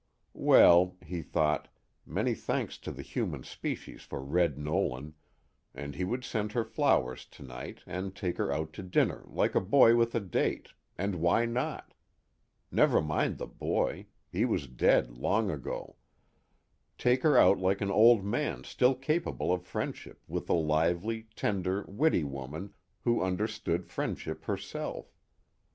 Well, he thought, many thanks to the human species for Red Nolan, and he would send her flowers tonight and take her out to dinner like a boy with a date and why not? Never mind the boy he was dead long ago: take her out like an old man still capable of friendship with a lively, tender, witty woman who understood friendship herself....